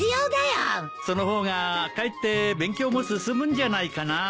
その方がかえって勉強も進むんじゃないかな。